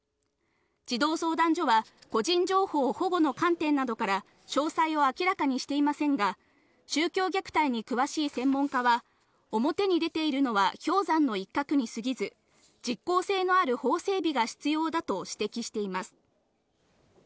児童相談所は個人情報保護の観点などから詳細を明らかにしていませんが、宗教虐待に詳しい専門家は表に出ているのは氷山の一角に過ぎず、実効性のある法整備が必要だと指摘しています。